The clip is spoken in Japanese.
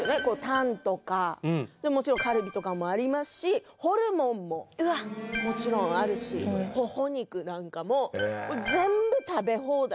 タンとかもちろんカルビとかもありますしホルモンももちろんあるしほほ肉なんかも全部食べ放題です